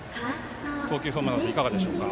投球フォームなどいかがですか。